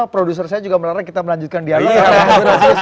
produser saya juga melarang kita melanjutkan dialog